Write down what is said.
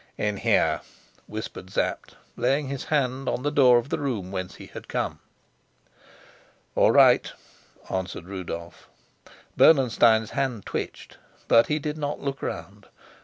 "In here," whispered Sapt, laying his hand on the door of the room whence he had come. "All right," answered Rudolf. Bernenstein's hand twitched, but he did not look round.